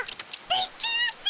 できるっピ！